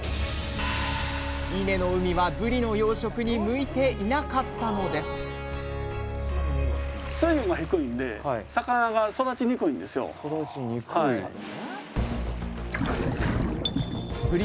伊根の海はぶりの養殖に向いていなかったのですぶり